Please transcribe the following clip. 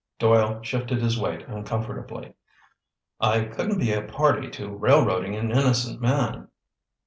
Doyle shifted his weight uncomfortably. "I couldn't be a party to railroading an innocent man."